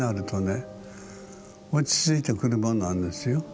落ち着いてくるものなんですよ。